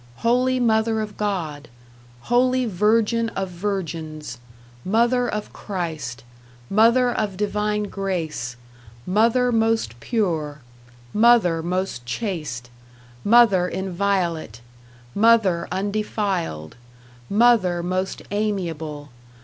Holy Mother of God. Holy Virgin of Virgins. Mother of Christ. Mother of divine grace. Mother most pure. Mother most chaste. Mother inviolate. Mother undefiled. Mother most amiable.